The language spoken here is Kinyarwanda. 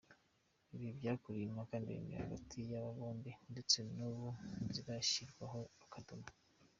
Ibi byakuruye impaka ndende hagati y’aba bombi ndetse n’ubu ntizirashyirwaho akadomo.